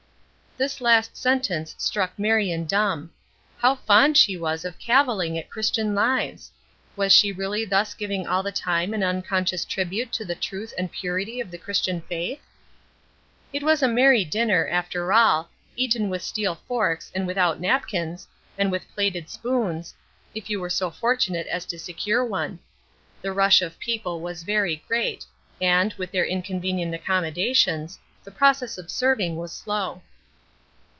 This last sentence struck Marion dumb. How fond she was of caviling at Christian lives! Was she really thus giving all the time an unconscious tribute to the truth and purity of the Christian faith? It was a merry dinner, after all, eaten with steel forks and without napkins, and with plated spoons, if you were so fortunate as to secure one. The rush of people was very great, and, with their inconvenient accommodations, the process of serving was slow.